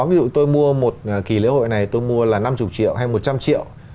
ví dụ tôi mua một kỳ lễ hội này tôi mua là năm mươi triệu hay một trăm linh triệu